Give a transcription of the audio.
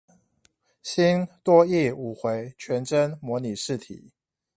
新多益五回全真模擬試題